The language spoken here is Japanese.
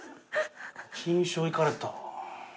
金賞いかれたわ。